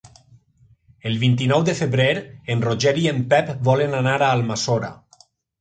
El vint-i-nou de febrer en Roger i en Pep volen anar a Almassora.